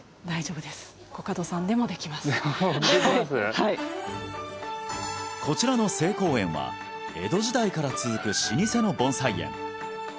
はいこちらの清香園は江戸時代から続く老舗の盆栽園